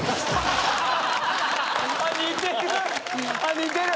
似てる！